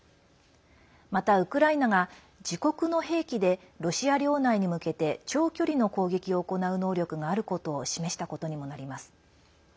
また、ウクライナが自国の兵器でロシア領内に向けて長距離の攻撃を行う能力があることを示したことにもなります。